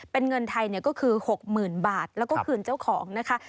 เป็นเงินไทยก็คือ๖๐๐๐บาทแล้วก็คืนเจ้าของนะคะ